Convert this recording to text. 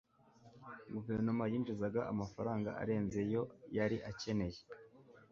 guverinoma yinjizaga amafaranga arenze ayo yari akeneye